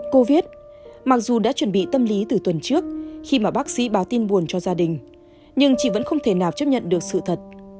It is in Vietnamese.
covid mặc dù đã chuẩn bị tâm lý từ tuần trước khi mà bác sĩ báo tin buồn cho gia đình nhưng chị vẫn không thể nào chấp nhận được sự thật